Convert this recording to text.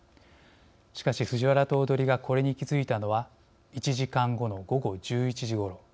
しかし、藤原頭取がこれに気付いたのは１時間後の午後１１時ごろ。